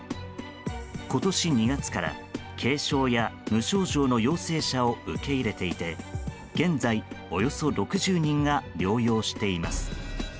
今年２月から軽症や無症状の陽性者を受け入れていて現在、およそ６０人が療養しています。